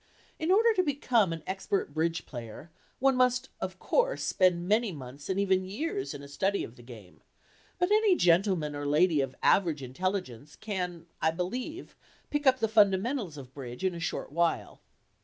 In order to become an expert "bridge" player one must, of course, spend many months and even years in a study of the game, but any gentleman or lady of average intelligence can, I believe, pick up the fundamentals of "bridge" in a short while.